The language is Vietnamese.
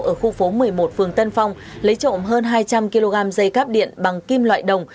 ở khu phố một mươi một phường tân phong lấy trộm hơn hai trăm linh kg dây cắp điện bằng kim loại đồng